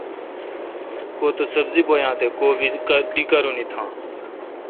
کوتو سبزی بویا تہ کو بی دی کارونی تھاں